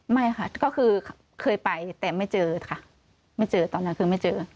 ไม่ค่ะก็คือเคยไปแต่ไม่เจอค่ะไม่เจอตอนนั้นคือไม่เจอ